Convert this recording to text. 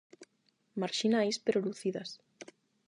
Marxinais pero lúcidas.